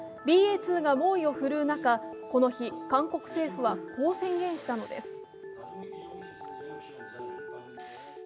ＢＡ．２が猛威を振るう中、この日、韓国政府は、こう宣言したのです。